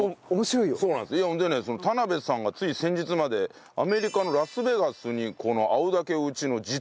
田邉さんがつい先日までアメリカのラスベガスにこの青竹打ちの実演に。